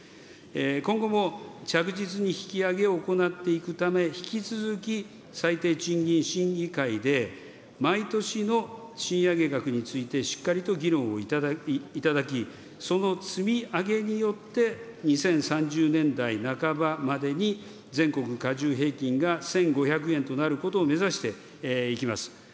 今後も着実に引き上げを行っていくため、引き続き、最低賃金審議会で毎年の賃上げ額について、しっかりと議論をいただき、その積み上げによって、２０３０年代半ばまでに、全国加重平均が１５００円となることを目指していきます。